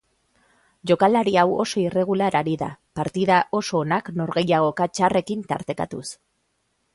Jokalari hau oso irregular ari da, partida oso onak norgehiagoka txarrekin tartekatuz.